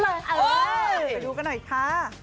เอาไปดูกันหน่อยค่ะ